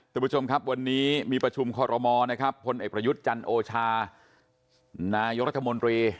ทุกผู้ชมครับวันนี้มีประชุมคอรมอนะครับพลเอกประยุทธ์จันโอชานายกรัฐมนตรี